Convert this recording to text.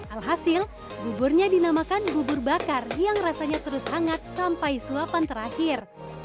alhasil buburnya dinamakan bubur bakar yang rasanya terus hangat sampai suapan terakhir